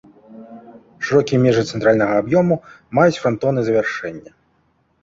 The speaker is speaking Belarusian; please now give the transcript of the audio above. Шырокія межы цэнтральнага аб'ёму маюць франтоны завяршэння.